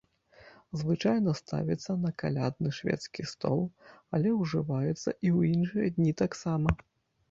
Звычайна ставіцца на калядны шведскі стол, але ўжываецца і ў іншыя дні таксама.